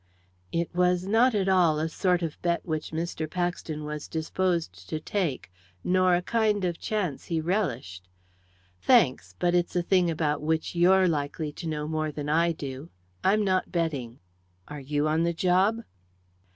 It was not at all a sort of bet which Mr. Paxton was disposed to take, nor a kind of chance he relished. "Thanks; but it's a thing about which you're likely to know more than I do; I'm not betting. Are you on the job?"